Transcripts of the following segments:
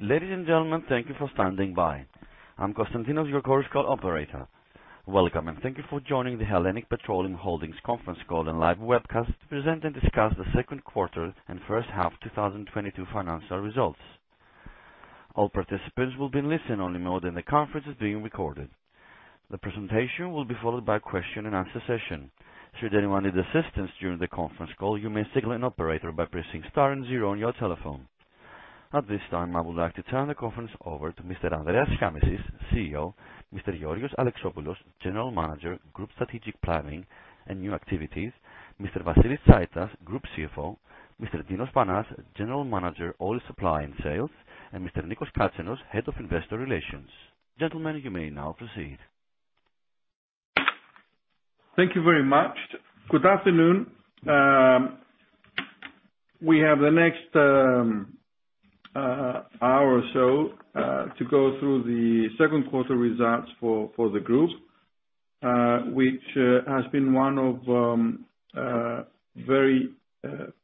Ladies and gentlemen, thank you for standing by. I'm Constantinos, your conference call operator. Welcome, and thank you for joining the Hellenic Petroleum Holdings conference call and live webcast to present and discuss the second quarter and first half 2022 financial results. All participants will be in listen-only mode, and the conference is being recorded. The presentation will be followed by question and answer session. Should anyone need assistance during the conference call, you may signal an operator by pressing star and zero on your telephone. At this time, I would like to turn the conference over to Mr. Andreas Shiamishis, CEO, Mr. Georgios Alexopoulos, General Manager, Group Strategic Planning and New Activities, Mr. Vasilis Tsaitas, Group CFO, Mr. Dinos Panas, General Manager, Oil Supply and Sales, and Mr. Nikos Katsenos, Head of Investor Relations. Gentlemen, you may now proceed. Thank you very much. Good afternoon. We have the next hour or so to go through the second quarter results for the group, which has been one of very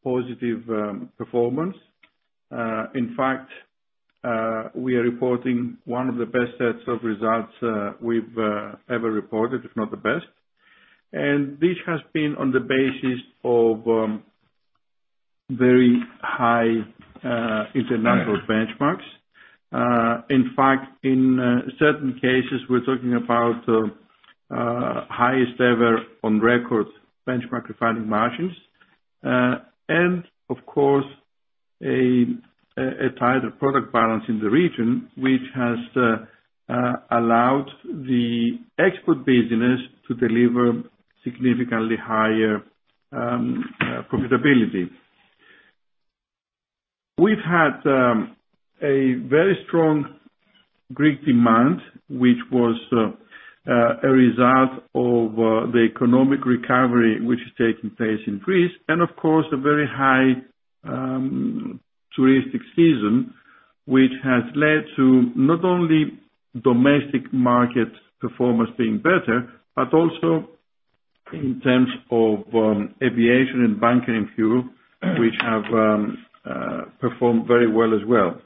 positive performance. In fact, we are reporting one of the best sets of results we've ever reported, if not the best. This has been on the basis of very high international benchmarks. In fact, in certain cases, we're talking about highest ever on record benchmark refining margins, and of course, a tighter product balance in the region which has allowed the export business to deliver significantly higher profitability. We've had a very strong Greek demand, which was a result of the economic recovery, which is taking place in Greece, and of course, a very high touristic season, which has led to not only domestic market performance being better, but also in terms of aviation and bunkering fuel, which have performed very well as well.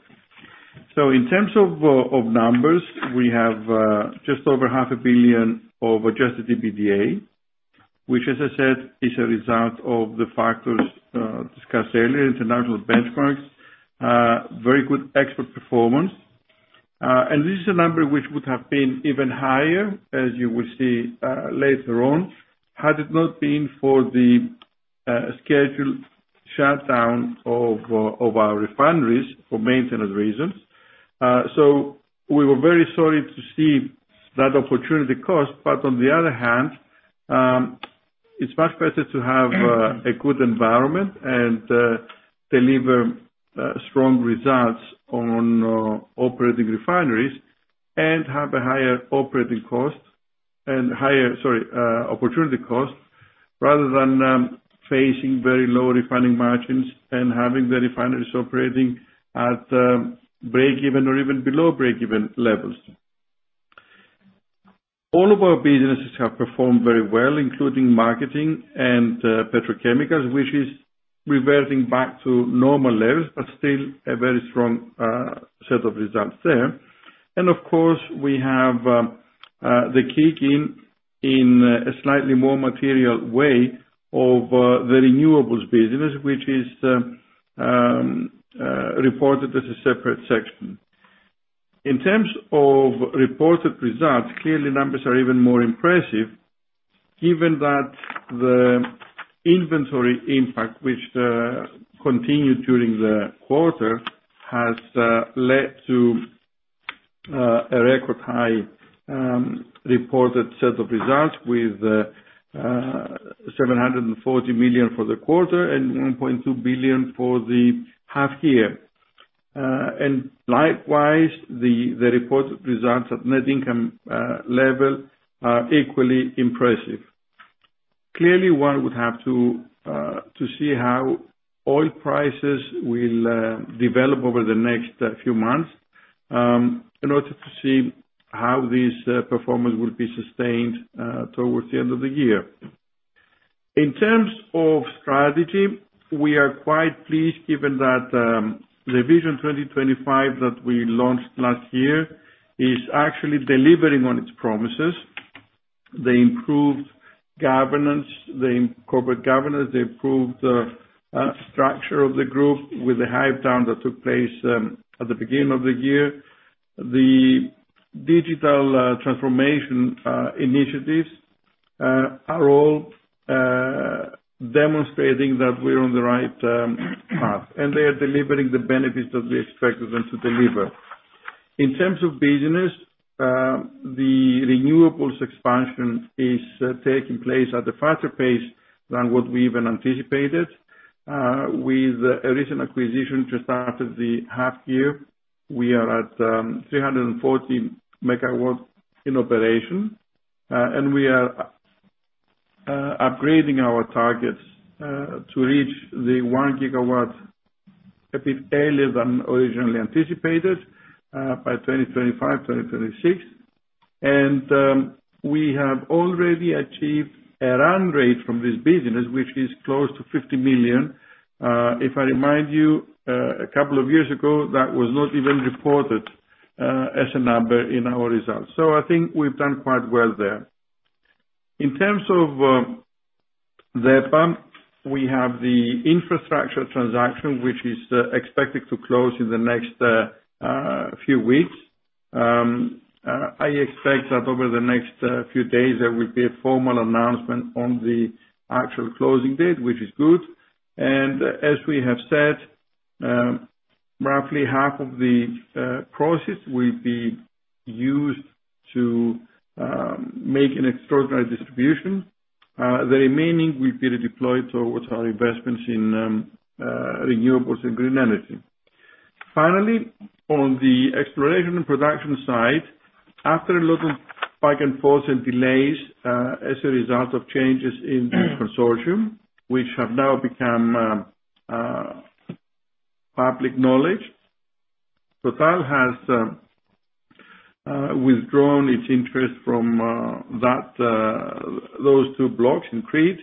In terms of numbers, we have just over 500 million of adjusted EBITDA, which as I said, is a result of the factors discussed earlier, international benchmarks, very good export performance. This is a number which would have been even higher, as you will see later on, had it not been for the scheduled shutdown of our refineries for maintenance reasons. We were very sorry to see that opportunity cost, but on the other hand, it's much better to have a good environment and deliver strong results on operating refineries and have a higher operating cost and higher opportunity cost rather than facing very low refining margins and having the refineries operating at breakeven or even below breakeven levels. All of our businesses have performed very well, including marketing and petrochemicals, which is reverting back to normal levels, but still a very strong set of results there. We have the kick in a slightly more material way of the renewables business, which is reported as a separate section. In terms of reported results, clearly numbers are even more impressive given that the inventory impact which continued during the quarter has led to a record high reported set of results with 740 million for the quarter and 1.2 billion for the half year. Likewise, the reported results at net income level are equally impressive. Clearly, one would have to see how oil prices will develop over the next few months in order to see how this performance will be sustained towards the end of the year. In terms of strategy, we are quite pleased given that the Vision 2025 that we launched last year is actually delivering on its promises. The improved corporate governance, structure of the group with the spin-off that took place at the beginning of the year. The digital transformation initiatives are all demonstrating that we're on the right path, and they are delivering the benefits that we expected them to deliver. In terms of business, the renewables expansion is taking place at a faster pace than what we even anticipated. With a recent acquisition just after the half year, we are at 340 MW in operation, and we are upgrading our targets to reach 1 GW a bit earlier than originally anticipated, by 2025-2026. We have already achieved a run rate from this business, which is close to 50 million. If I remind you, a couple of years ago, that was not even reported as a number in our results. So I think we've done quite well there. In terms of DEPA, we have the infrastructure transaction, which is expected to close in the next few weeks. I expect that over the next few days, there will be a formal announcement on the actual closing date, which is good. As we have said, roughly half of the proceeds will be used to make an extraordinary distribution. The remaining will be deployed towards our investments in renewables and green energy. Finally, on the exploration and production side, after a lot of back and forth and delays, as a result of changes in the consortium, which have now become public knowledge. TotalEnergies has withdrawn its interest from those two blocks in Crete.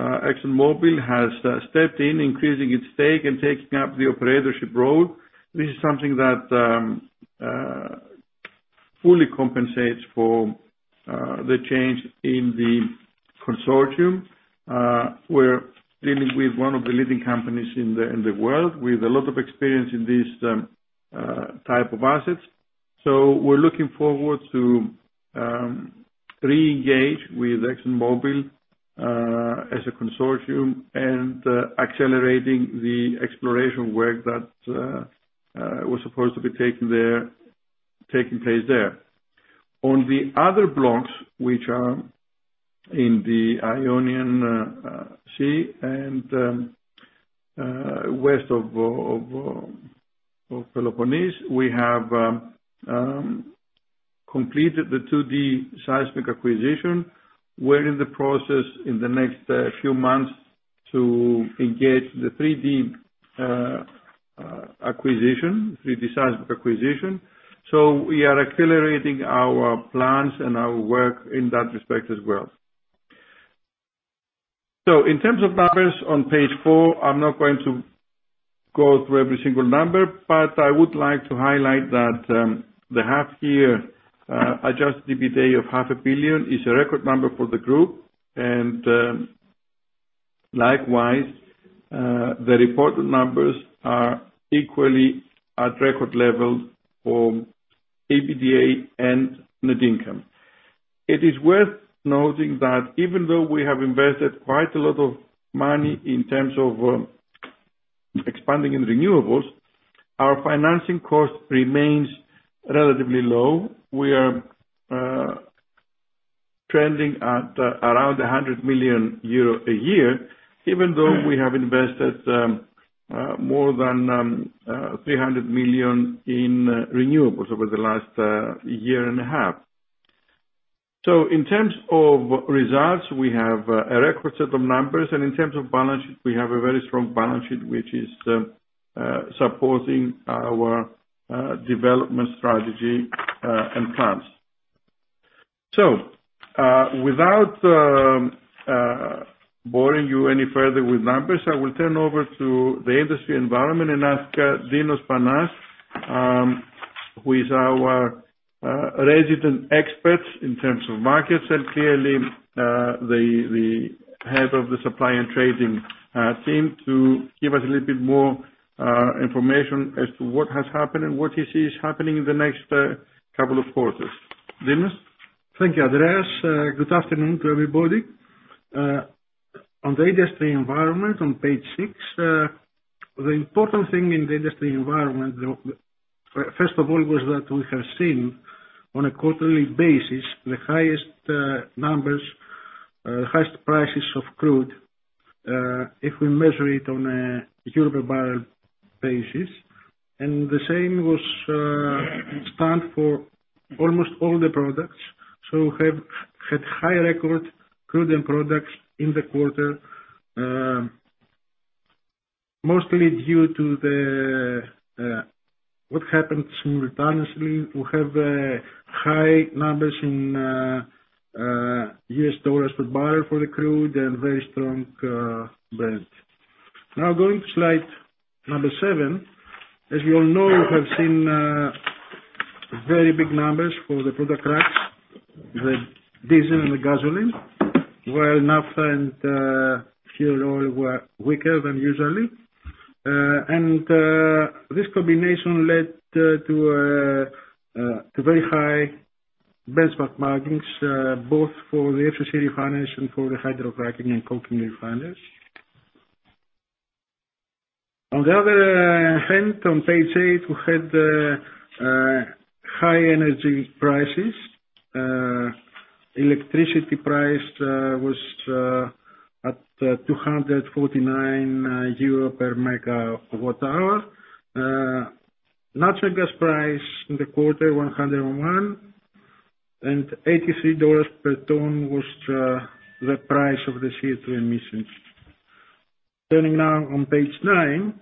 ExxonMobil has stepped in, increasing its stake and taking up the operatorship role. This is something that fully compensates for the change in the consortium. We're dealing with one of the leading companies in the world with a lot of experience in this type of assets. We're looking forward to reengage with ExxonMobil as a consortium and accelerating the exploration work that was supposed to be taking place there. On the other blocks, which are in the Ionian Sea and west of Peloponnese, we have completed the 2D seismic acquisition. We're in the process in the next few months to engage the 3D seismic acquisition. We are accelerating our plans and our work in that respect as well. In terms of numbers on page four, I'm not going to go through every single number, but I would like to highlight that the half-year adjusted EBITDA of 500 million is a record number for the group. Likewise, the reported numbers are equally at record levels for EBITDA and net income. It is worth noting that even though we have invested quite a lot of money in terms of expanding in renewables, our financing cost remains relatively low. We are trending at around 100 million euro a year, even though we have invested more than 300 million in renewables over the last year and a half. In terms of results, we have a record set of numbers, and in terms of balance sheet, we have a very strong balance sheet, which is supporting our development strategy and plans. Without boring you any further with numbers, I will turn over to the industry environment and ask Dinos Panas, who is our resident expert in terms of markets and clearly the head of the supply and trading team to give us a little bit more information as to what has happened and what he sees happening in the next couple of quarters. Dinos? Thank you, Andreas. Good afternoon to everybody. On the industry environment on page six, the important thing in the industry environment, first of all, was that we have seen on a quarterly basis, the highest prices of crude if we measure it on a euro per barrel basis. The same was true for almost all the products. Had high record crude and products in the quarter, mostly due to what happened simultaneously. We have high numbers in US dollars per barrel for the crude and very strong Brent. Now going to slide number seven. As you all know, we have seen very big numbers for the product cracks, the diesel and the gasoline, while Naphtha and fuel oil were weaker than usual. This combination led to very high benchmark margins both for the FCC refineries and for the hydrocracking and coking refineries. On the other hand, on page eight, we had high energy prices. Electricity price was at EUR 249 per MWh. Natural gas price in the quarter, 101, and EUR 83 per ton was the price of the CO₂ emissions. Turning now to page nine.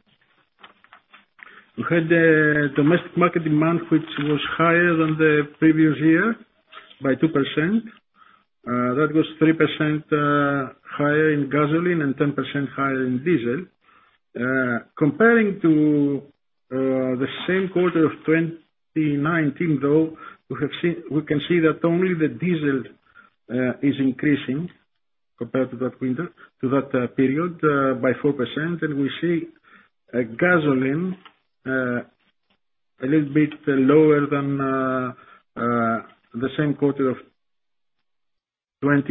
We had the domestic market demand, which was higher than the previous year by 2%. That was 3% higher in gasoline and 10% higher in diesel. Comparing to the same quarter of 2019 though, we can see that only the diesel is increasing compared to that window, to that period by 4%. We see a gasoline a little bit lower than the same quarter of 2019. This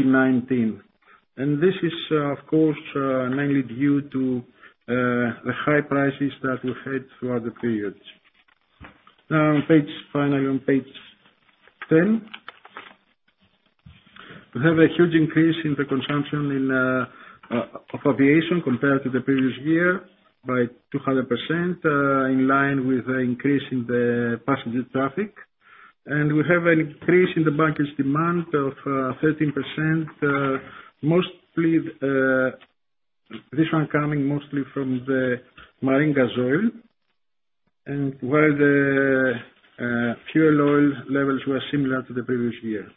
is, of course, mainly due to the high prices that we had throughout the period. Now, finally on page ten. We have a huge increase in the consumption of aviation compared to the previous year by 200%, in line with the increase in the passenger traffic. We have an increase in the bunkers demand of 13%, mostly this one coming mostly from the marine gas oil. While the fuel oil levels were similar to the previous year.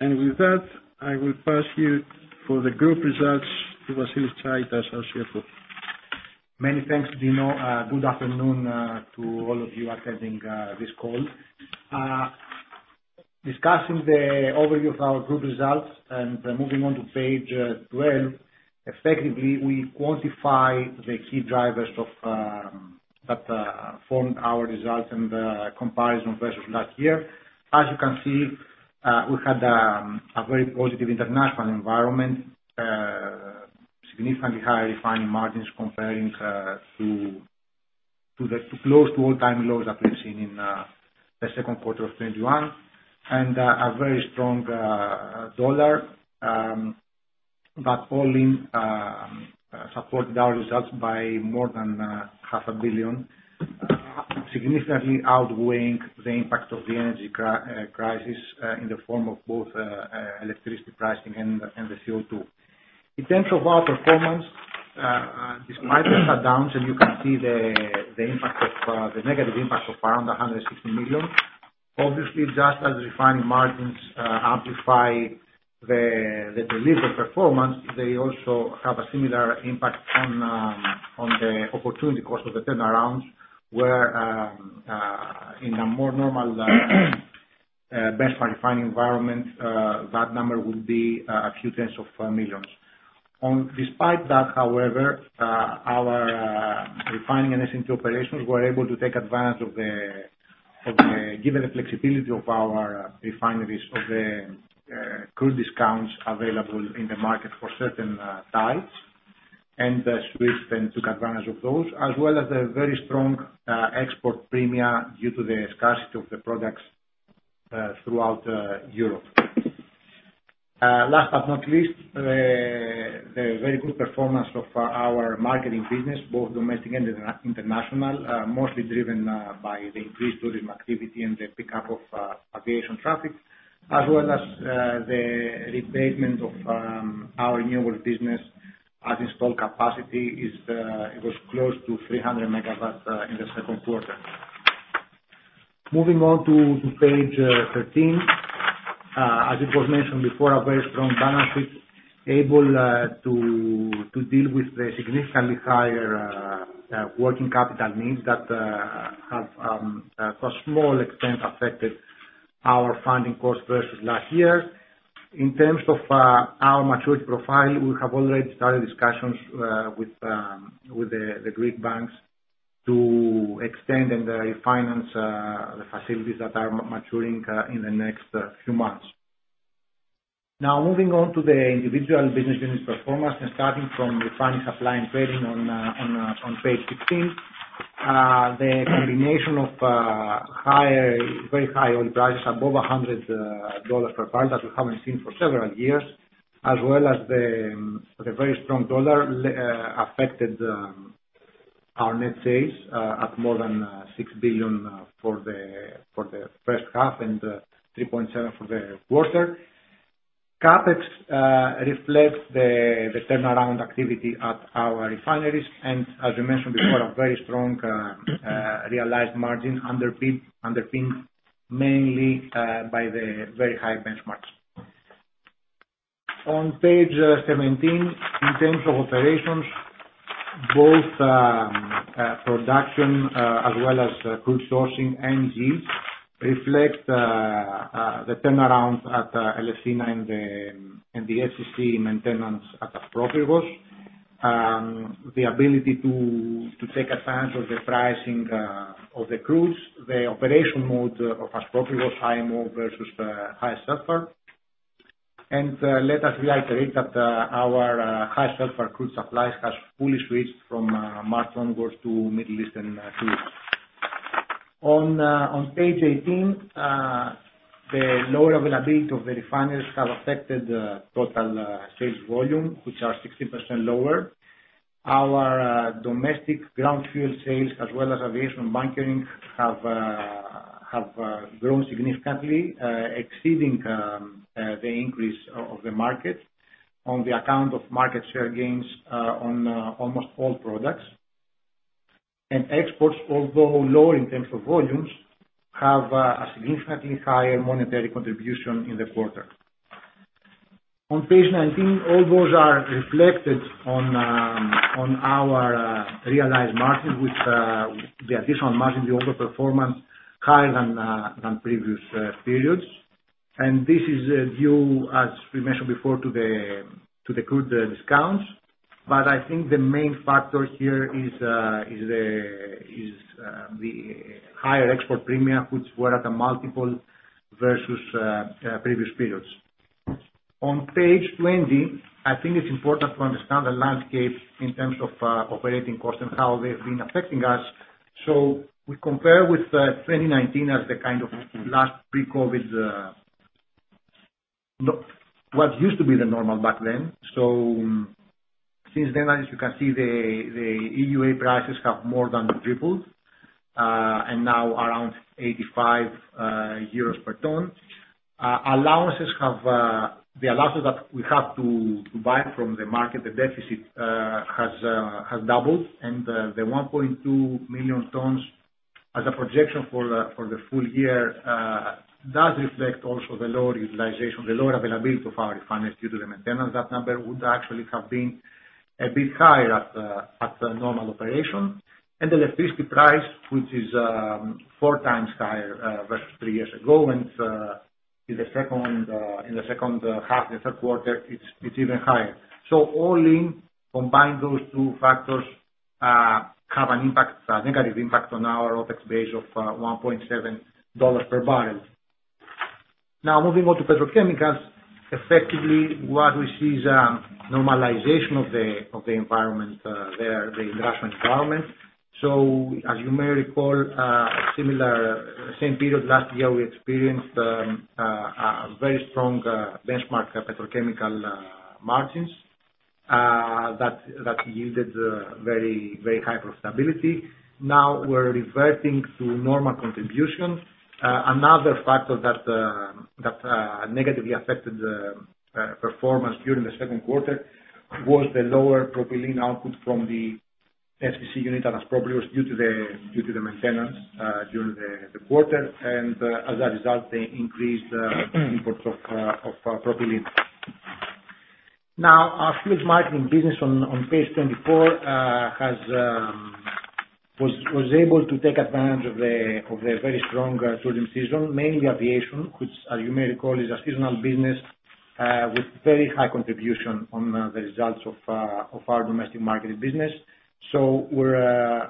With that, I will pass you for the group results to Vasilis Tsaitas, our CFO. Many thanks, Dinos. Good afternoon to all of you attending this call. Discussing the overview of our group results and moving on to page 12. Effectively, we quantify the key drivers of that formed our results and comparison versus last year. As you can see, we had a very positive international environment, significantly higher refining margins comparing to the close to all-time lows that we've seen in the second quarter of 2021. A very strong dollar supported our results by more than 500 million, significantly outweighing the impact of the energy crisis in the form of both electricity pricing and the CO₂. In terms of our performance, despite the shutdowns, you can see the impact of the negative impact of around 160 million. Obviously, just as refining margins amplify the delivered performance, they also have a similar impact on the opportunity cost of the turnarounds, where in a more normal best refining environment, that number would be a few tens of millions. Despite that, however, our refining and S&T operations were able to take advantage of the given flexibility of our refineries, of the crude discounts available in the market for certain types. The S&T then took advantage of those, as well as the very strong export premia due to the scarcity of the products throughout Europe. Last but not least, the very good performance of our marketing business, both domestic and international, mostly driven by the increased tourism activity and the pickup of aviation traffic. As well as the ramp-up of our renewable business. At installed capacity it was close to 300 MW in the second quarter. Moving on to page 13. As it was mentioned before, a very strong balance sheet, able to deal with the significantly higher working capital needs that have to a small extent affected our funding costs versus last year. In terms of our maturity profile, we have already started discussions with the Greek banks to extend and refinance the facilities that are maturing in the next few months. Now, moving on to the individual business units performance, and starting from Refining, Supply and Trading on page 16. The combination of higher, very high oil prices above EUR 100 per barrel that we haven't seen for several years, as well as the very strong dollar affected our net sales at more than 6 billion for the first half and 3.7 billion for the quarter. CapEx reflects the turnaround activity at our refineries. As we mentioned before, a very strong realized margin underpinned mainly by the very high benchmarks. On page 17, in terms of operations, both production as well as crude sourcing and yields reflect the turnarounds at Elefsina and the SSC maintenance at Aspropyrgos. The ability to take advantage of the pricing of the crudes, the operation mode of Aspropyrgos HMO versus high sulfur. Let us reiterate that our high sulfur crude supplies has fully switched from March onwards to Middle East and Caspian. On page 18, the lower availability of the refineries have affected the total sales volume, which are 60% lower. Our domestic ground fuel sales, as well as aviation bunkering, have grown significantly, exceeding the increase of the market on the account of market share gains on almost all products. Exports, although lower in terms of volumes, have a significantly higher monetary contribution in the quarter. On page 19, all those are reflected on our realized margin, which the additional margin, the overperformance higher than previous periods. This is a view, as we mentioned before, to the crude discounts. I think the main factor here is the higher export premium, which were at a multiple versus previous periods. On page 20, I think it's important to understand the landscape in terms of operating costs and how they've been affecting us. We compare with 2019 as the kind of last pre-COVID what used to be the normal back then. Since then, as you can see, the EUA prices have more than tripled, and now around 85 euros per ton. The allowances that we have to buy from the market, the deficit, has doubled. The 1.2 million tons as a projection for the full year does reflect also the lower utilization, the lower availability of our refineries due to the maintenance. That number would actually have been a bit higher at normal operation. The electricity price, which is four times higher versus three years ago, and in the second half, the third quarter, it's even higher. All in, combined those two factors have an impact, a negative impact on our OpEx base of EUR 1.7 per barrel. Now, moving on to petrochemicals. Effectively, what we see is normalization of the environment there, the industrial environment. As you may recall, similar period last year, we experienced a very strong benchmark petrochemical margins that yielded very high profitability. Now we're reverting to normal contribution. Another factor that negatively affected the performance during the second quarter was the lower propylene output from the FCC unit at Aspropyrgos due to the maintenance during the quarter. As a result, they increased imports of propylene. Now, our fuels marketing business on page 24 was able to take advantage of the very strong tourism season, mainly aviation, which as you may recall, is a seasonal business with very high contribution on the results of our domestic marketing business. We're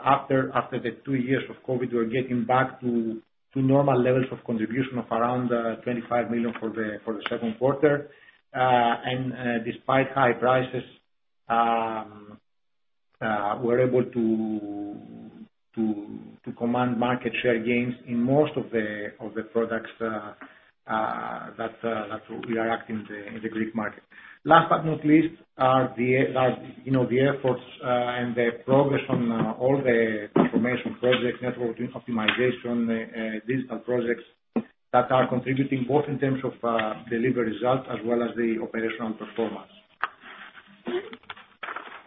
after the two years of COVID getting back to normal levels of contribution of around 25 million for the second quarter. Despite high prices, we're able to command market share gains in most of the products that we are active in the Greek market. Last but not least, our efforts and the progress on all the transformation projects, networking optimization, digital projects that are contributing both in terms of delivery results as well as the operational performance.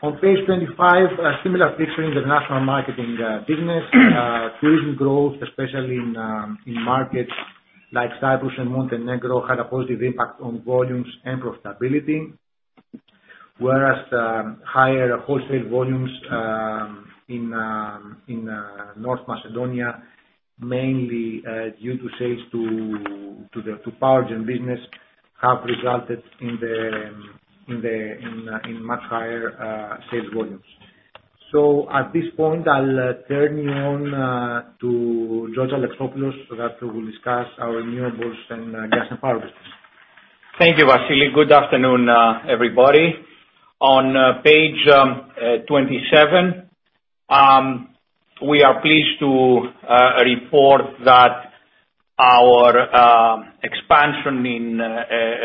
On page 25, a similar picture in the national marketing business. Tourism growth, especially in markets like Cyprus and Montenegro, had a positive impact on volumes and profitability. Whereas the higher wholesale volumes in North Macedonia, mainly due to sales to the power gen business, have resulted in much higher sales volumes. At this point I'll turn it over to Georgios Alexopoulos, so that we'll discuss our renewables and gas and power business. Thank you, Vassilis. Good afternoon, everybody. On page 27, we are pleased to report that our expansion in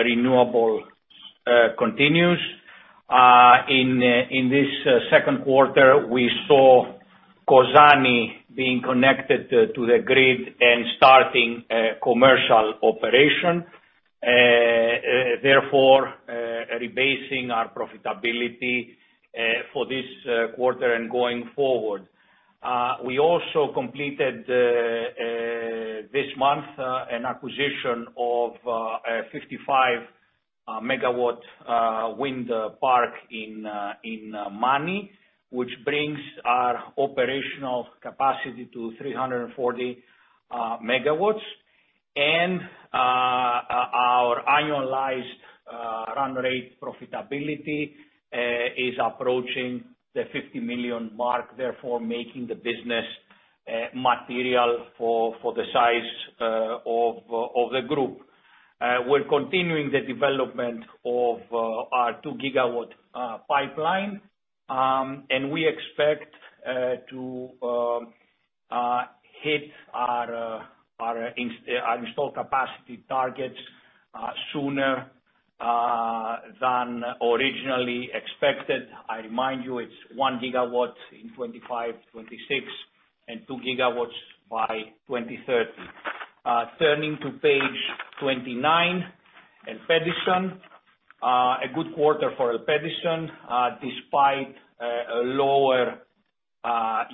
renewable continues. In this second quarter, we saw Kozani being connected to the grid and starting commercial operation, therefore rebasing our profitability for this quarter and going forward. We also completed this month an acquisition of a 55-MW wind park in Mani, which brings our operational capacity to 340 MW. Our annualized run rate profitability is approaching the 50 million mark, therefore making the business material for the size of the group. We're continuing the development of our 2-GW pipeline. We expect to hit our installed capacity targets sooner than originally expected. I remind you, it's 1 GW in 2025-2026, and 2 GW by 2030. Turning to page 29, ELPEDISON, a good quarter for ELPEDISON, despite a lower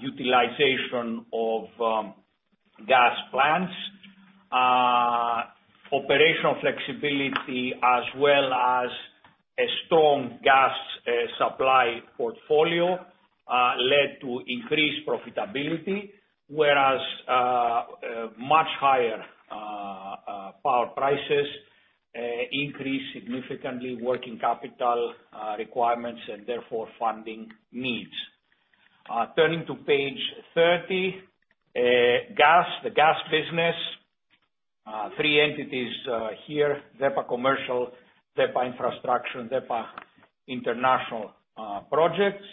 utilization of gas plants. Operational flexibility as well as a strong gas supply portfolio led to increased profitability, whereas a much higher power prices increased significantly working capital requirements and therefore funding needs. Turning to page 30, gas. The gas business, three entities here, DEPA Commercial, DEPA Infrastructure, DEPA International Projects.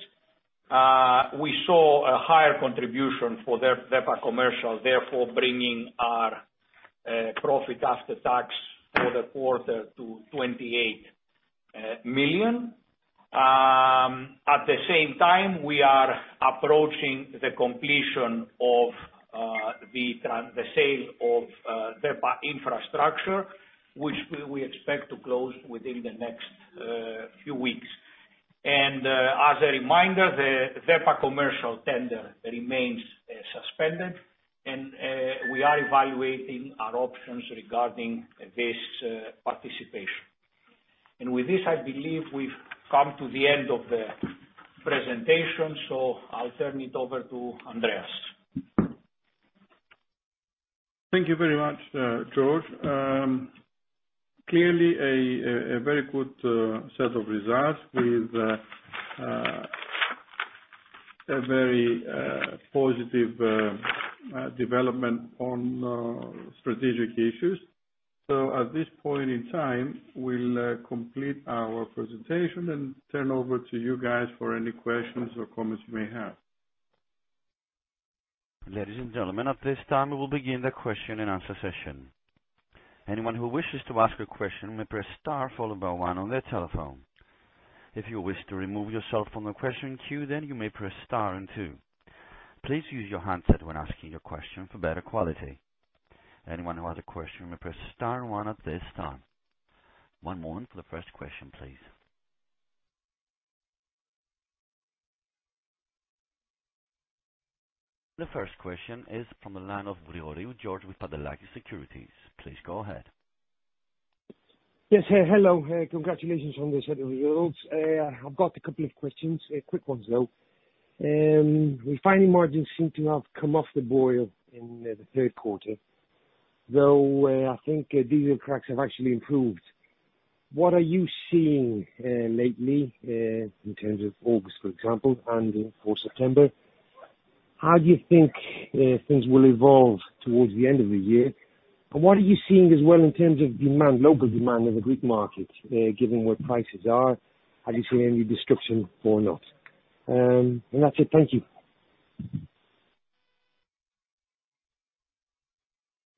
We saw a higher contribution for the DEPA Commercial, therefore bringing our profit after tax for the quarter to 28 million. At the same time, we are approaching the completion of the sale of DEPA Infrastructure, which we expect to close within the next few weeks. As a reminder, the DEPA Commercial tender remains suspended and we are evaluating our options regarding this participation. With this, I believe we've come to the end of the presentation, so I'll turn it over to Andreas. Thank you very much, Georgios. Clearly a very good set of results with a very positive development on strategic issues. At this point in time, we'll complete our presentation and turn over to you guys for any questions or comments you may have. Ladies and gentlemen, at this time we will begin the question and answer session. Anyone who wishes to ask a question may press star followed by one on their telephone. If you wish to remove yourself from the question queue, then you may press star and two. Please use your handset when asking your question for better quality. Anyone who has a question may press star and one at this time. One moment for the first question, please. The first question is from the line of Grigoriou George with Pantelakis Securities. Please go ahead. Yes. Hello. Congratulations on this set of results. I've got a couple of questions, quick ones, though. Refining margins seem to have come off the boil in the third quarter, though, I think, diesel cracks have actually improved. What are you seeing lately in terms of August, for example, and for September? How do you think things will evolve towards the end of the year? What are you seeing as well in terms of demand, local demand in the Greek market, given where prices are? Are you seeing any disruption or not? That's it. Thank you.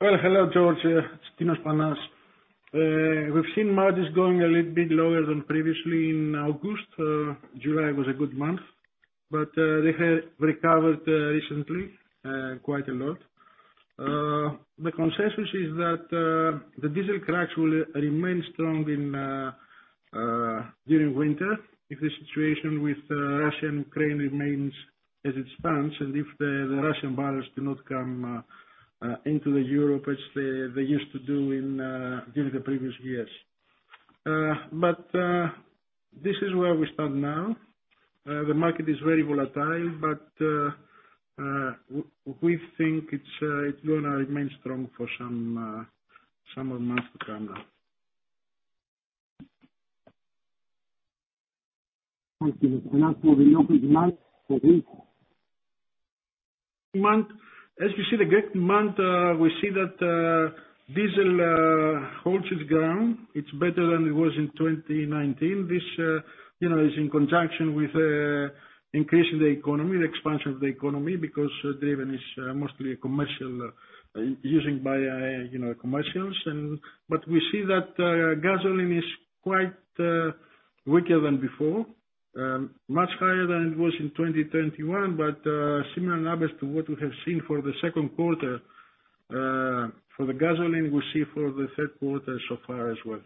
Well, hello, George. It's Dinos Panas. We've seen margins going a little bit lower than previously in August. July was a good month, but they have recovered recently quite a lot. The consensus is that the diesel cracks will remain strong during winter if the situation with Russia/Ukraine remains as it stands and if the Russian buyers do not come into Europe as they used to do during the previous years. But this is where we stand now. The market is very volatile, but we think it's gonna remain strong for some summer months to come now. Thank you. Can I ask you about local demand for Greek? As you see the Greek month, we see that diesel holds its ground. It's better than it was in 2019. This, you know, is in conjunction with increase in the economy, the expansion of the economy, because diesel is mostly a commercial use by, you know, commercials. We see that gasoline is quite weaker than before, much higher than it was in 2021, but similar numbers to what we have seen for the second quarter, for the gasoline we see for the third quarter so far as well.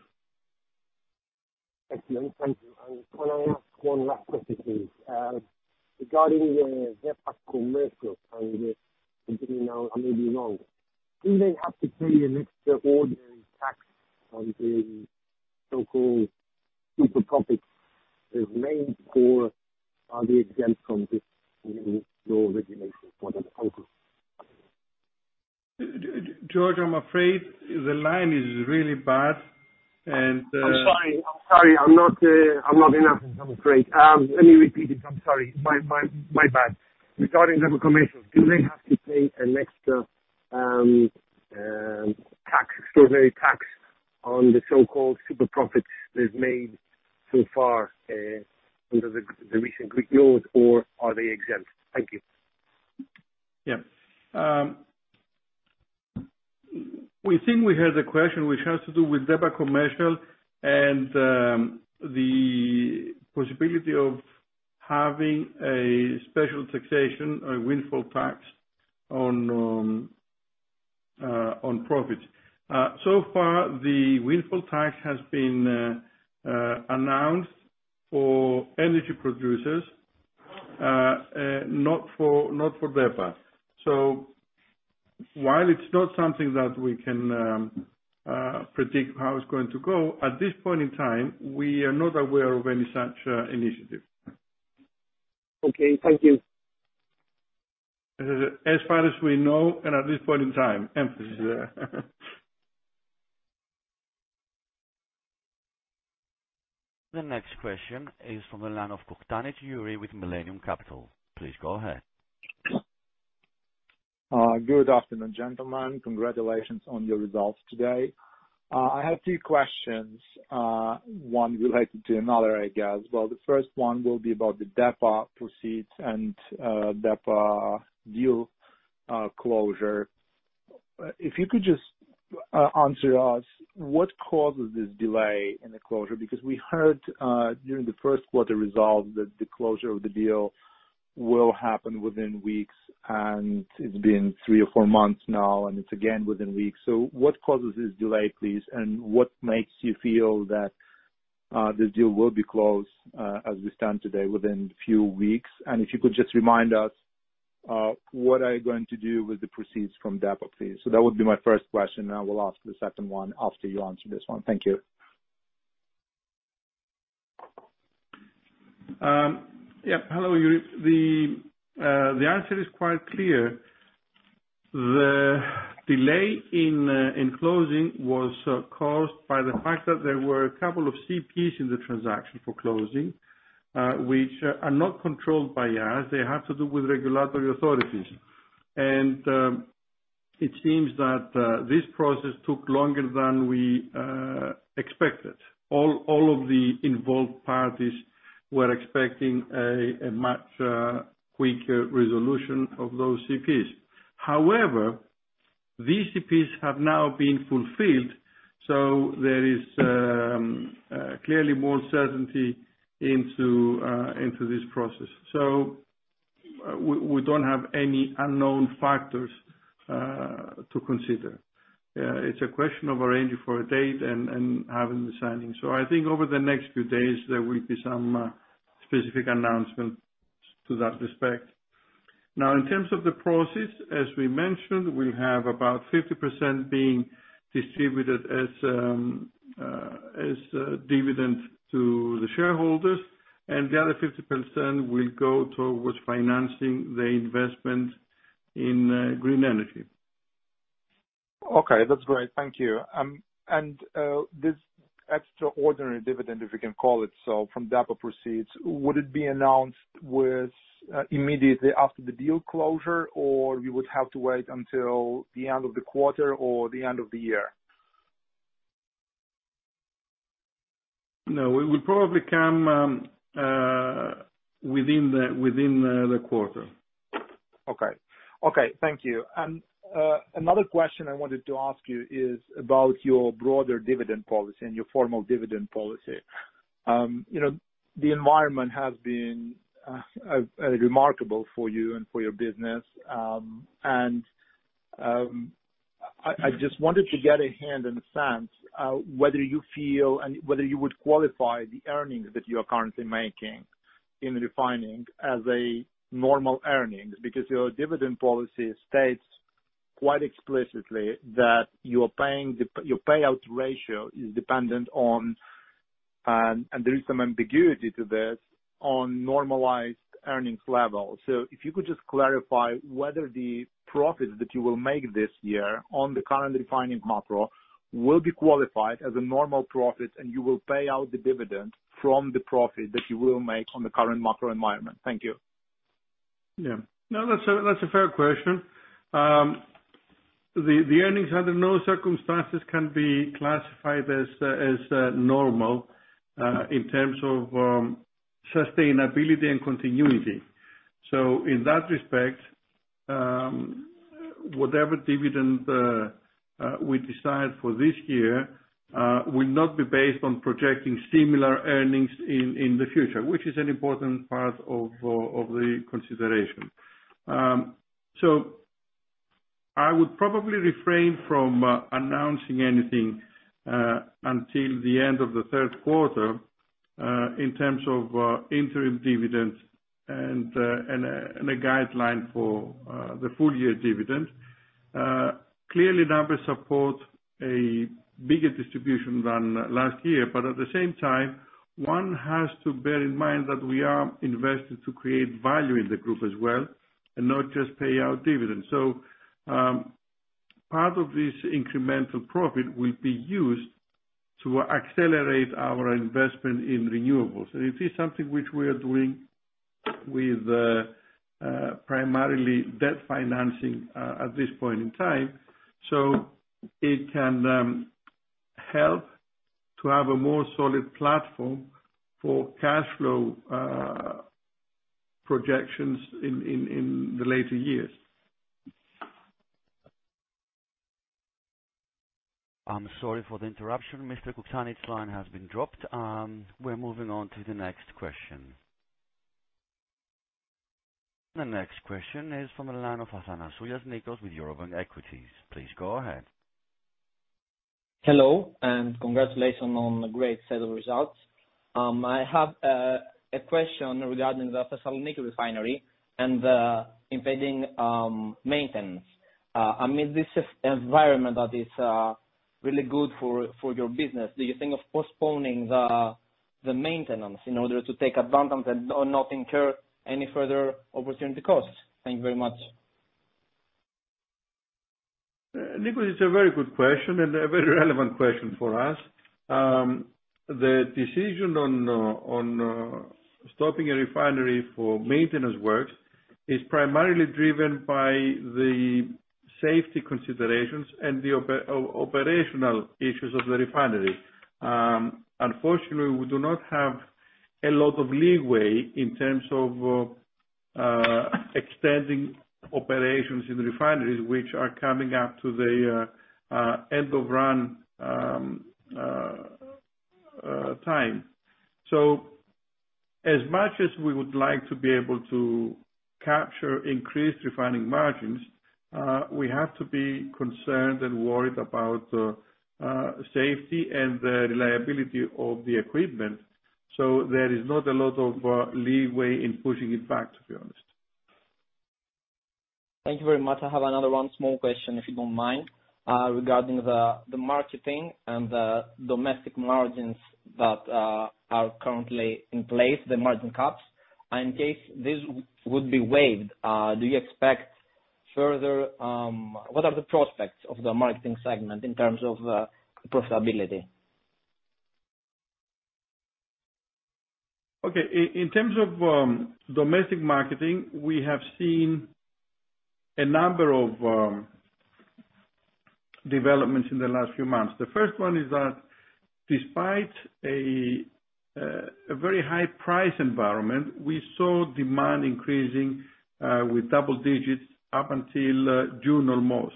Excellent. Thank you. Can I ask one last question, please? Regarding DEPA Commercial, and if I didn't know, I may be wrong. Do they have to pay an extraordinary tax on the so-called super profits they've made or are they exempt from this new law regulation for the moment? George, I'm afraid the line is really bad and, I'm sorry. I'm not in Athens, I'm afraid. Let me repeat it. I'm sorry. My bad. Regarding DEPA Commercial, do they have to pay an extra tax, extraordinary tax on the so-called super profits that is made so far under the recent Greek laws or are they exempt? Thank you. Yeah. We think we heard the question which has to do with DEPA Commercial and the possibility of having a special taxation, a windfall tax on profits. So far, the windfall tax has been announced for energy producers, not for DEPA. While it's not something that we can predict how it's going to go, at this point in time, we are not aware of any such initiative. Okay, thank you. As far as we know and, at this point in time, emphasis there. The next question is from the line of Kukhtanych Yuriy with Millennium Capital. Please go ahead. Good afternoon, gentlemen. Congratulations on your results today. I have two questions, one related to another, I guess. Well, the first one will be about the DEPA proceeds and DEPA deal closure. If you could just answer us what causes this delay in the closure? Because we heard during the first quarter results that the closure of the deal will happen within weeks, and it's been three or four months now, and it's again within weeks. What causes this delay, please? And what makes you feel that this deal will be closed, as we stand today, within few weeks? And if you could just remind us what are you going to do with the proceeds from DEPA, please? That would be my first question, and I will ask the second one after you answer this one. Thank you. Yeah. Hello, Yuriy. The answer is quite clear. The delay in closing was caused by the fact that there were a couple of CPs in the transaction for closing, which are not controlled by us. They have to do with regulatory authorities. It seems that this process took longer than we expected. All of the involved parties were expecting a much quicker resolution of those CPs. However, these CPs have now been fulfilled, so there is clearly more certainty into this process. We don't have any unknown factors to consider. It's a question of arranging for a date and having the signing. I think over the next few days, there will be some specific announcements to that respect. Now, in terms of the process, as we mentioned, we have about 50% being distributed as a dividend to the shareholders, and the other 50% will go towards financing the investment in green energy. Okay. That's great. Thank you. This extraordinary dividend, if we can call it so, from DEPA proceeds, would it be announced immediately after the deal closure, or we would have to wait until the end of the quarter or the end of the year? No. It will probably come within the quarter. Okay. Thank you. Another question I wanted to ask you is about your broader dividend policy and your formal dividend policy. You know, the environment has been remarkable for you and for your business. I just wanted to get a hand and a sense whether you feel and whether you would qualify the earnings that you are currently making in refining as a normal earnings, because your dividend policy states quite explicitly that your payout ratio is dependent on, and there is some ambiguity to this, on normalized earnings levels. If you could just clarify whether the profits that you will make this year on the current refining macro will be qualified as a normal profit, and you will pay out the dividend from the profit that you will make on the current macro environment. Thank you. Yeah. No, that's a fair question. The earnings under no circumstances can be classified as normal in terms of sustainability and continuity. In that respect, whatever dividend we decide for this year will not be based on projecting similar earnings in the future, which is an important part of the consideration. I would probably refrain from announcing anything until the end of the third quarter in terms of interim dividends and a guideline for the full year dividends. Clearly numbers support a bigger distribution than last year. At the same time, one has to bear in mind that we are invested to create value in the group as well and not just pay out dividends. Part of this incremental profit will be used to accelerate our investment in renewables. It is something which we are doing with primarily debt financing at this point in time. It can help to have a more solid platform for cash flow projections in the later years. I'm sorry for the interruption. Mr. Kukhtanych line has been dropped. We're moving on to the next question. The next question is from the line of Athanasioulias Nikos with Eurobank Equities. Please go ahead. Hello, and congratulations on a great set of results. I have a question regarding the Thessaloniki refinery and the impending maintenance. I mean, this is environment that is really good for your business. Do you think of postponing the maintenance in order to take advantage and not incur any further opportunity costs? Thank you very much. Nikos, it's a very good question and a very relevant question for us. The decision on stopping a refinery for maintenance works is primarily driven by the safety considerations and the operational issues of the refinery. Unfortunately, we do not have a lot of leeway in terms of extending operations in the refineries which are coming up to the end of run time. As much as we would like to be able to capture increased refining margins, we have to be concerned and worried about safety and the reliability of the equipment. There is not a lot of leeway in pushing it back, to be honest. Thank you very much. I have another small question, if you don't mind. Regarding the marketing and the domestic margins that are currently in place, the margin caps. In case this would be waived, do you expect further? What are the prospects of the marketing segment in terms of profitability? Okay. In terms of domestic marketing, we have seen a number of developments in the last few months. The first one is that despite a very high price environment, we saw demand increasing with double digits up until almost June.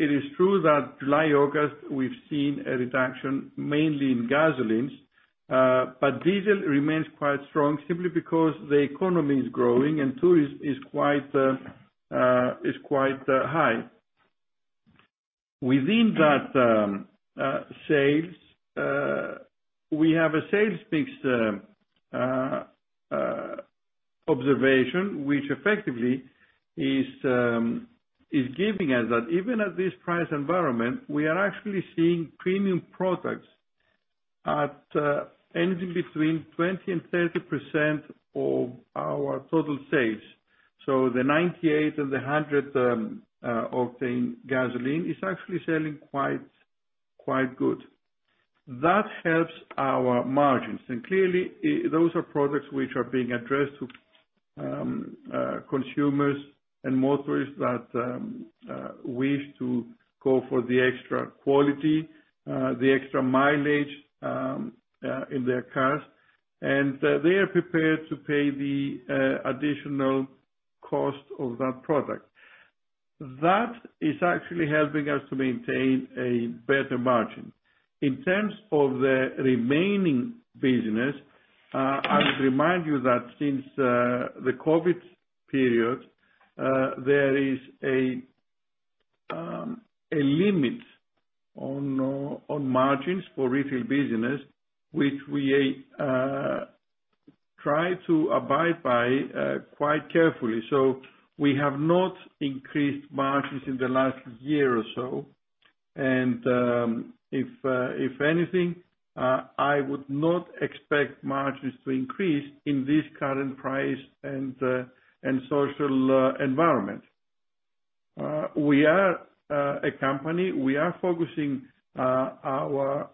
It is true that July, August, we've seen a reduction mainly in gasolines, but diesel remains quite strong simply because the economy is growing and tourism is quite high. Within that, we have a sales mix observation, which effectively is giving us that even at this price environment, we are actually seeing premium products at anything between 20% and 30% of our total sales. The 98 and the 100 octane gasoline is actually selling quite good. That helps our margins. Clearly, those are products which are being addressed to consumers and motorists that wish to go for the extra quality, the extra mileage in their cars, and they are prepared to pay the additional cost of that product. That is actually helping us to maintain a better margin. In terms of the remaining business, I would remind you that since the COVID period, there is a limit on margins for retail business, which we try to abide by quite carefully. We have not increased margins in the last year or so. If anything, I would not expect margins to increase in this current price and social environment. We are a company. We are focusing our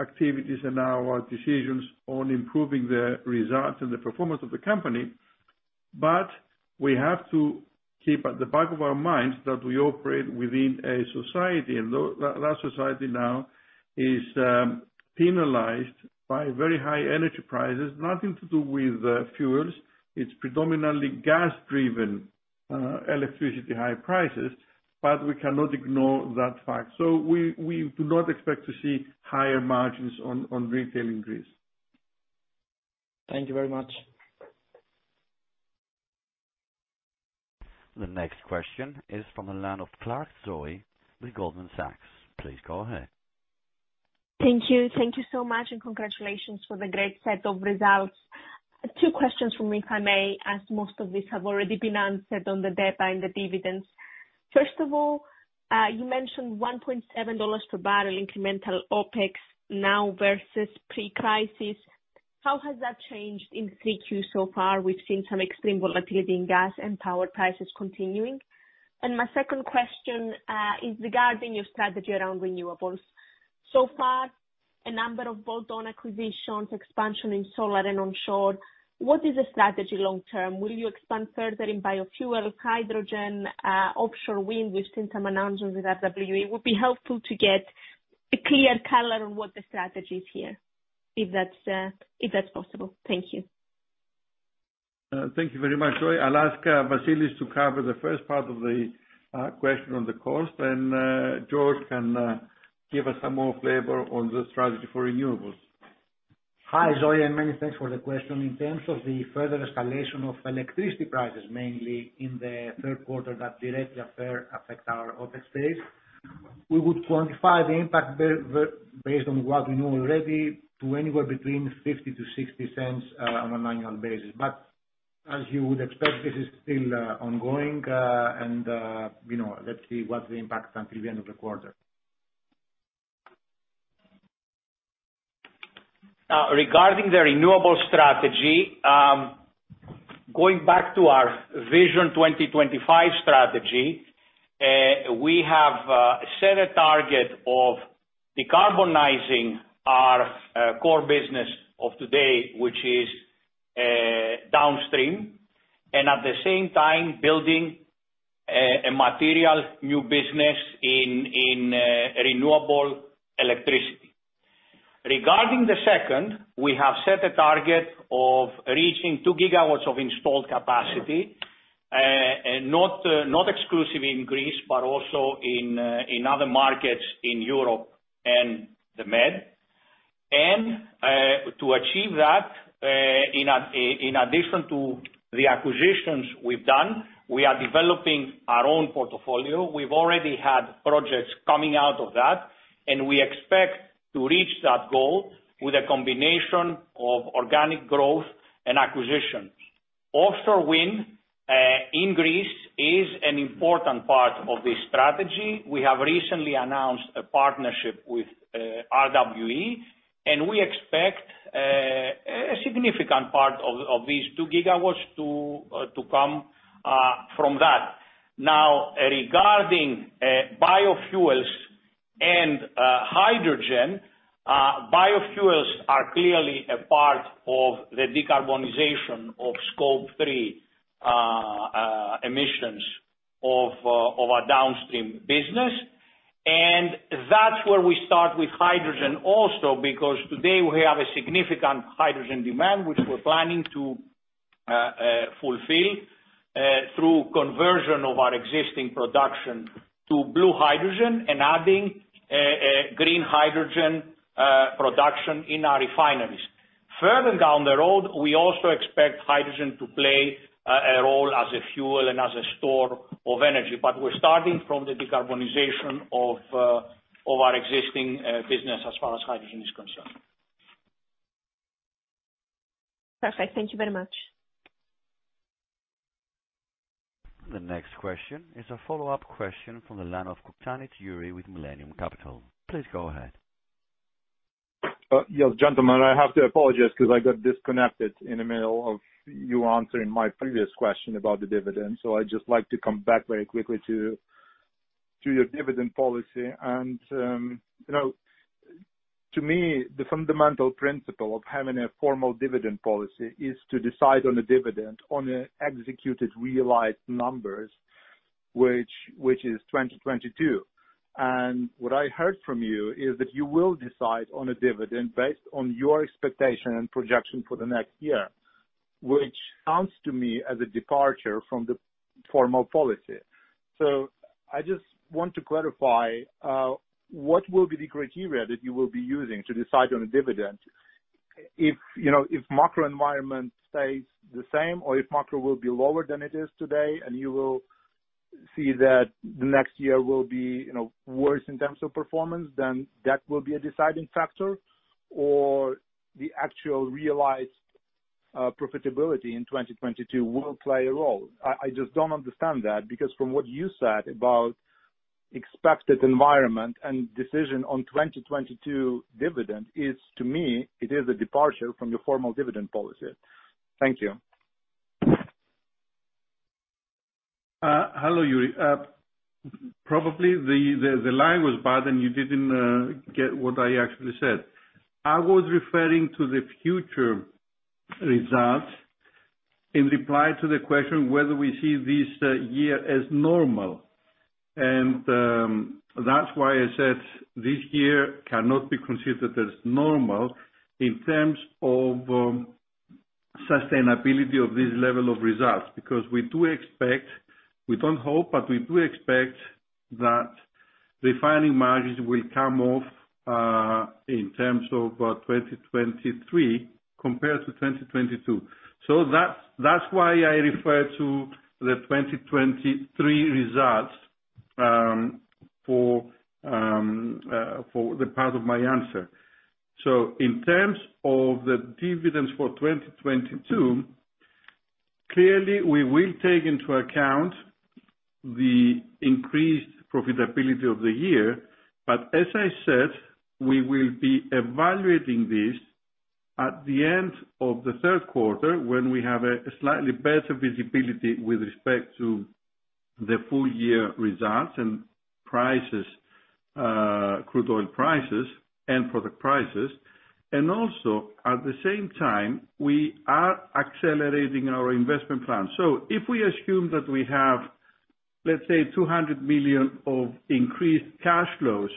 activities and our decisions on improving the results and the performance of the company. We have to keep at the back of our minds that we operate within a society, and that society now is penalized by very high energy prices. Nothing to do with the fuels. It's predominantly gas-driven electricity high prices, but we cannot ignore that fact. We do not expect to see higher margins on retail increase. Thank you very much. The next question is from the line of Clarke Zoe with Goldman Sachs. Please go ahead. Thank you. Thank you so much, and congratulations for the great set of results. Two questions from me, if I may, as most of these have already been answered on the debt and the dividends. First of all, you mentioned $1.7 per barrel incremental OpEx now versus pre-crisis. How has that changed in 3Q so far? We've seen some extreme volatility in gas and power prices continuing. My second question is regarding your strategy around renewables. So far, a number of bolt-on acquisitions, expansion in solar and onshore. What is the strategy long term? Will you expand further in biofuels, hydrogen, offshore wind? We've seen some announcements with RWE. It would be helpful to get a clear color on what the strategy is here, if that's possible. Thank you. Thank you very much, Zoe. I'll ask Vasilis to cover the first part of the question on the cost, then Georgios can give us some more flavor on the strategy for renewables. Hi, Zoe, and many thanks for the question. In terms of the further escalation of electricity prices, mainly in the third quarter, that directly affect our OpEx base, we would quantify the impact based on what we know already to anywhere between 0.50-0.60 on an annual basis. As you would expect, this is still ongoing. You know, let's see what's the impact until the end of the quarter. Regarding the renewable strategy, going back to our Vision 2025 strategy, we have set a target of decarbonizing our core business of today, which is downstream, and at the same time building a material new business in renewable electricity. Regarding the second, we have set a target of reaching 2 GW of installed capacity, and not exclusive in Greece, but also in other markets in Europe and the Med. To achieve that, in addition to the acquisitions we've done, we are developing our own portfolio. We've already had projects coming out of that, and we expect to reach that goal with a combination of organic growth and acquisitions. Offshore wind in Greece is an important part of this strategy. We have recently announced a partnership with RWE, and we expect a significant part of these 2 GW to come from that. Now, regarding biofuels and hydrogen, biofuels are clearly a part of the decarbonization of Scope 3 emissions of our downstream business. That's where we start with hydrogen also, because today we have a significant hydrogen demand, which we're planning to fulfill through conversion of our existing production to blue hydrogen and adding green hydrogen production in our refineries. Further down the road, we also expect hydrogen to play a role as a fuel and as a store of energy. We're starting from the decarbonization of our existing business as far as hydrogen is concerned. Perfect. Thank you very much. The next question is a follow-up question from the line of Kukhtanych Yuriy with Millennium Capital. Please go ahead. Yeah, gentlemen, I have to apologize 'cause I got disconnected in the middle of you answering my previous question about the dividend. I'd just like to come back very quickly to your dividend policy. You know, to me, the fundamental principle of having a formal dividend policy is to decide on a dividend on actual realized numbers, which is 2022. What I heard from you is that you will decide on a dividend based on your expectation and projection for the next year, which sounds to me as a departure from the formal policy. I just want to clarify what will be the criteria that you will be using to decide on a dividend. If, you know, if macro environment stays the same or if macro will be lower than it is today, and you will see that the next year will be, you know, worse in terms of performance, then that will be a deciding factor or the actual realized profitability in 2022 will play a role. I just don't understand that because from what you said about expected environment and decision on 2022 dividend is, to me, it is a departure from your formal dividend policy. Thank you. Hello, Yuriy. Probably the line was bad and you didn't get what I actually said. I was referring to the future results in reply to the question whether we see this year as normal. That's why I said this year cannot be considered as normal in terms of sustainability of this level of results. Because we do expect, we don't hope, but we do expect that refining margins will come off in terms of 2023 compared to 2022. That's why I refer to the 2023 results for the part of my answer. In terms of the dividends for 2022, clearly we will take into account the increased profitability of the year. As I said, we will be evaluating this at the end of the third quarter, when we have a slightly better visibility with respect to the full year results and prices, crude oil prices and product prices. Also at the same time, we are accelerating our investment plan. If we assume that we have Let's say 200 million of increased cash flows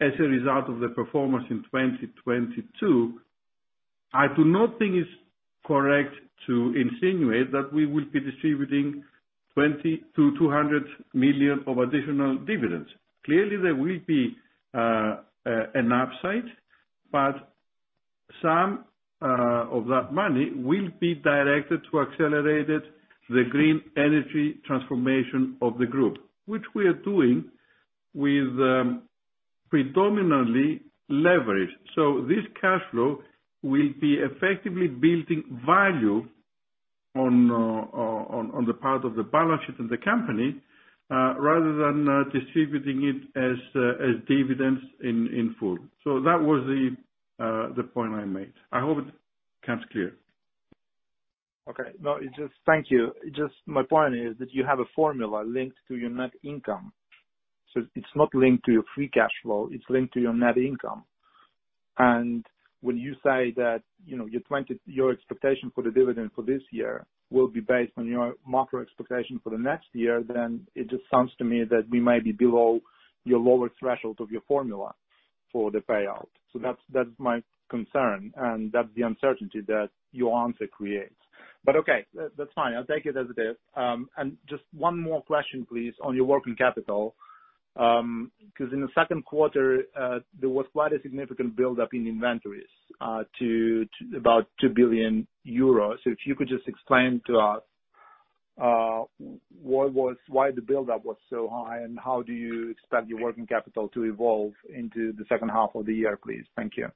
as a result of the performance in 2022. I do not think it's correct to insinuate that we will be distributing 20 million-200 million of additional dividends. Clearly, there will be an upside, but some of that money will be directed to accelerated the green energy transformation of the group, which we are doing with predominantly leverage. This cash flow will be effectively building value on the part of the balance sheet of the company rather than distributing it as dividends in full. That was the point I made. I hope it comes clear. No, it's just. Thank you. Just my point is that you have a formula linked to your net income. It's not linked to your free cash flow, it's linked to your net income. When you say that, you know, your expectation for the dividend for this year will be based on your macro expectation for the next year, then it just sounds to me that we may be below your lower threshold of your formula for the payout. That's my concern, and that's the uncertainty that your answer creates. Okay, that's fine. I'll take it as it is. Just one more question please, on your working capital. 'Cause in the second quarter, there was quite a significant buildup in inventories, to about 2 billion euros. If you could just explain to us, why the buildup was so high, and how do you expect your working capital to evolve into the second half of the year, please? Thank you.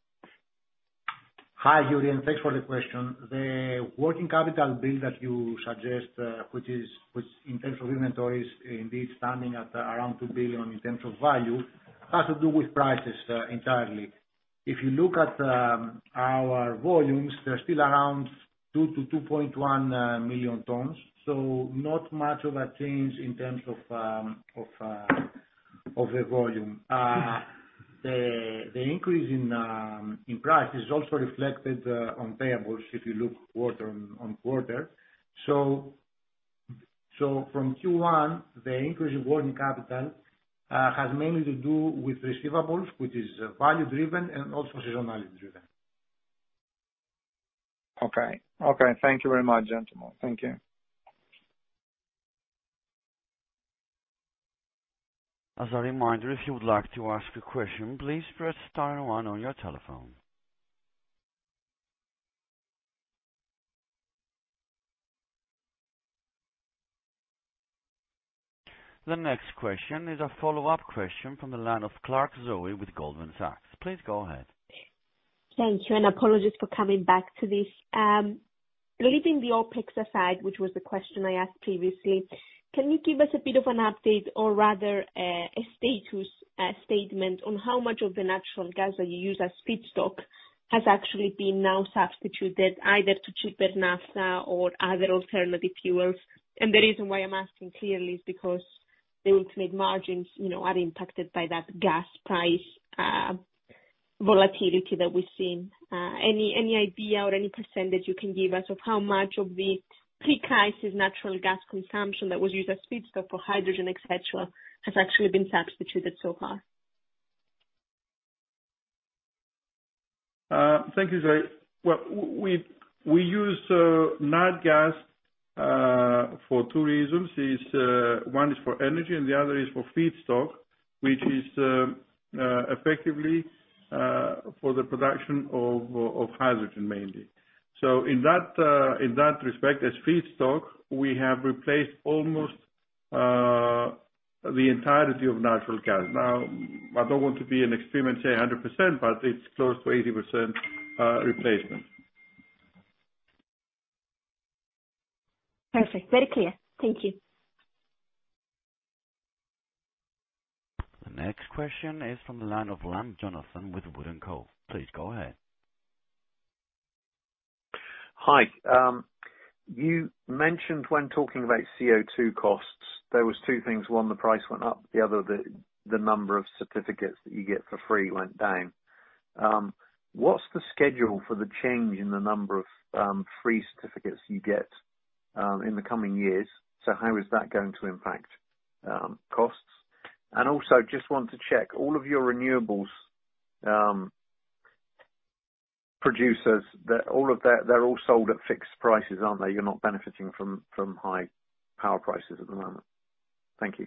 Hi, Yuriy. Thanks for the question. The working capital build that you suggest, which in terms of inventories indeed standing at around 2 billion in terms of value, has to do with prices, entirely. If you look at our volumes, they're still around 2 million-2.1 million tons, so not much of a change in terms of the volume. The increase in price is also reflected on payables if you look quarter-on-quarter. From Q1, the increase in working capital has mainly to do with receivables, which is value driven and also seasonality driven. Okay. Thank you very much, gentlemen. Thank you. As a reminder, if you would like to ask a question, please press star one on your telephone. The next question is a follow-up question from the line of Clarke Zoe with Goldman Sachs. Please go ahead. Thank you, and apologies for coming back to this. Leaving the OpEx aside, which was the question I asked previously, can you give us a bit of an update or rather, a status statement on how much of the natural gas that you use as feedstock has actually been now substituted either to cheaper naphtha or other alternative fuels? The reason why I'm asking clearly is because the ultimate margins, you know, are impacted by that gas price volatility that we've seen. Any idea or any percentage you can give us of how much of the pre-crisis natural gas consumption that was used as feedstock for hydrogen, et cetera, has actually been substituted so far? Thank you, Zoe. Well, we use natural gas for two reasons. One is for energy and the other is for feedstock, which is effectively for the production of hydrogen mainly. In that respect, as feedstock, we have replaced almost the entirety of natural gas. Now, I don't want to be an extreme and say 100%, but it's close to 80% replacement. Perfect. Very clear. Thank you. The next question is from the line of Jonathan Lamb with Wood & Co. Please go ahead. Hi. You mentioned when talking about CO₂ costs, there was two things: One, the price went up. The other, the number of certificates that you get for free went down. What's the schedule for the change in the number of free certificates you get in the coming years? How is that going to impact costs? Also, just want to check, all of your renewables producers, all of their, they're all sold at fixed prices, aren't they? You're not benefiting from high power prices at the moment. Thank you.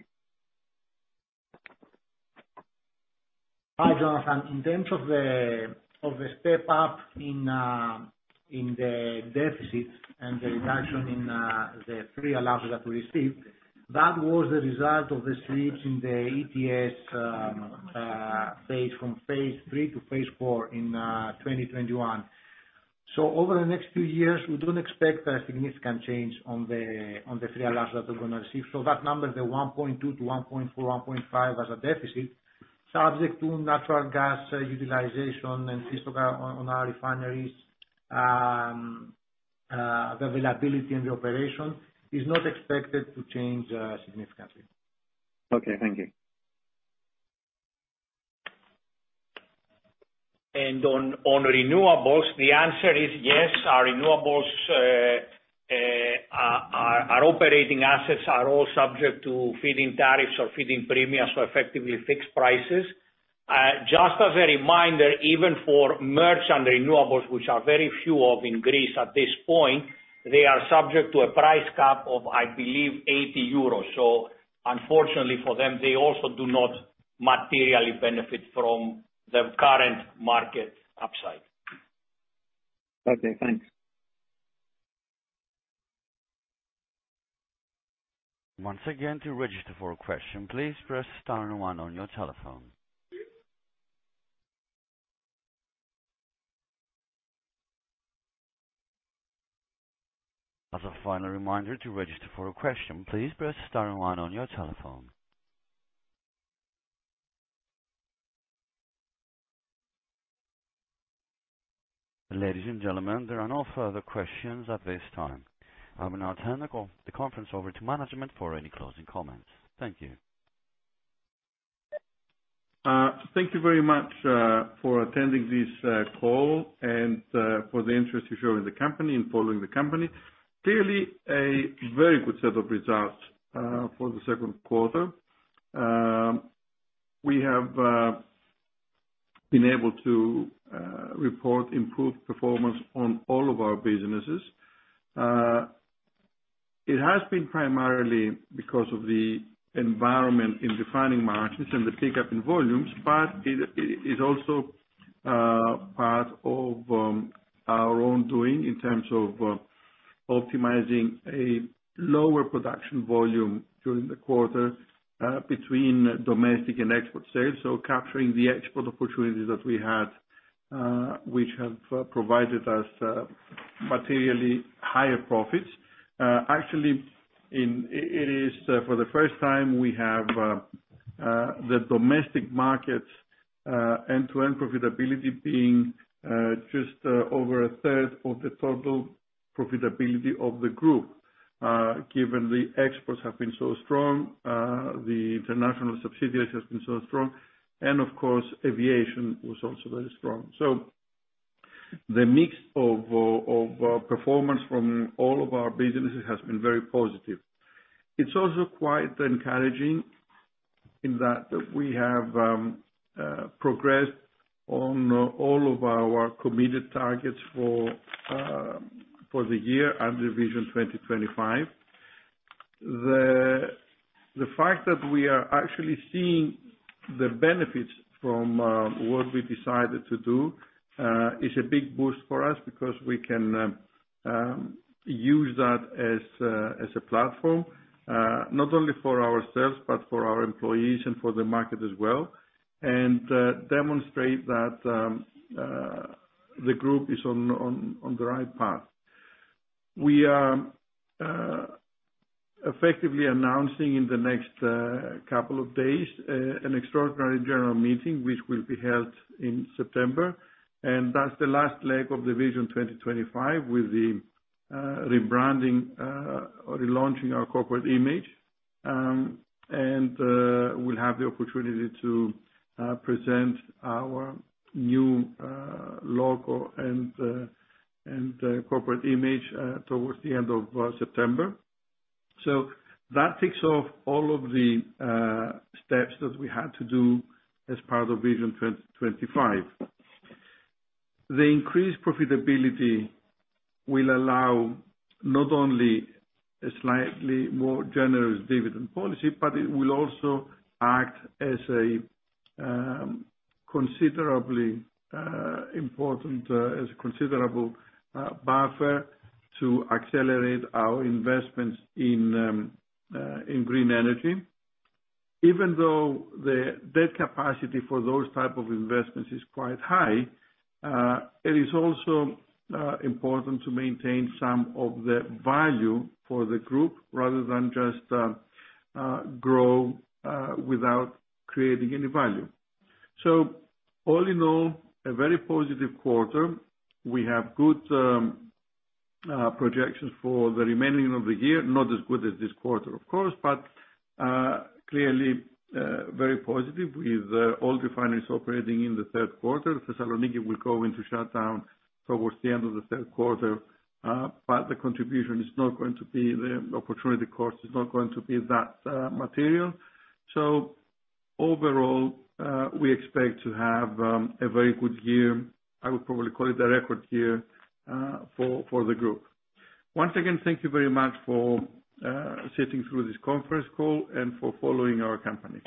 Hi, Jonathan. In terms of the step up in the deficit and the reduction in the free allowance that we received, that was the result of the switch in the ETS phase from phase three to phase four in 2021. Over the next two years, we don't expect a significant change on the free allowance that we're gonna receive. That number, the 1.2 to 1.4, 1.5 as a deficit, subject to natural gas utilization and system availability on our refineries, the availability and the operation is not expected to change significantly. Okay, thank you. On renewables, the answer is yes. Our renewables, our operating assets are all subject to feed-in tariffs or feed-in premiums, so effectively fixed prices. Just as a reminder, even for merchant renewables, which are very few in Greece at this point, they are subject to a price cap of, I believe, 80 euros. Unfortunately for them, they also do not materially benefit from the current market upside. Okay, thanks. Once again, to register for a question, please press star and one on your telephone. As a final reminder, to register for a question, please press star and one on your telephone. Ladies and gentlemen, there are no further questions at this time. I will now turn the conference over to management for any closing comments. Thank you. Thank you very much for attending this call and for the interest you show in the company, in following the company. Clearly a very good set of results for the second quarter. We have been able to report improved performance on all of our businesses. It has been primarily because of the environment in refining markets and the pickup in volumes, but it is also part of our own doing in terms of optimizing a lower production volume during the quarter between domestic and export sales. Capturing the export opportunities that we had, which have provided us materially higher profits. Actually, it is for the first time we have the domestic markets end-to-end profitability being just over a third of the total profitability of the group. Given the exports have been so strong, the international subsidiaries has been so strong and of course, aviation was also very strong. The mix of performance from all of our businesses has been very positive. It's also quite encouraging in that we have progressed on all of our committed targets for the year under Vision 2025. The fact that we are actually seeing the benefits from what we decided to do is a big boost for us because we can use that as a platform not only for ourselves, but for our employees and for the market as well, and demonstrate that the group is on the right path. We are effectively announcing in the next couple of days an extraordinary general meeting which will be held in September, and that's the last leg of the Vision 2025 with the rebranding or relaunching our corporate image. We'll have the opportunity to present our new logo and corporate image towards the end of September. That ticks off all of the steps that we had to do as part of Vision 2025. The increased profitability will allow not only a slightly more generous dividend policy, but it will also act as a considerable buffer to accelerate our investments in green energy. Even though the debt capacity for those type of investments is quite high, it is also important to maintain some of the value for the group rather than just grow without creating any value. All in all, a very positive quarter. We have good projections for the remaining of the year. Not as good as this quarter of course, but clearly very positive with all refineries operating in the third quarter. Thessaloniki will go into shutdown towards the end of the third quarter, but the opportunity cost is not going to be that material. Overall, we expect to have a very good year. I would probably call it a record year for the group. Once again, thank you very much for sitting through this conference call and for following our company.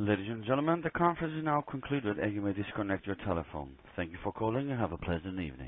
Ladies and gentlemen, the conference is now concluded, and you may disconnect your telephone. Thank you for calling and have a pleasant evening.